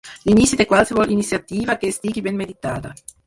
L'inici de qualsevol iniciativa que estigui ben meditada.